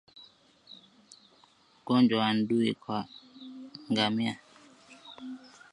Ugonjwa wa ndui kwa ngamia